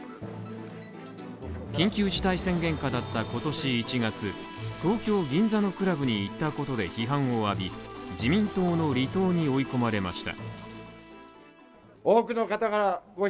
緊急事態宣言下だった今年１月、東京・銀座のクラブに行ったことで批判を浴び自民党の離党に追い込まれました。